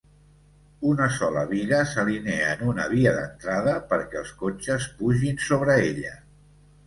Una sola biga s'alinea en una via d'entrada perquè els cotxes pugin sobre ella.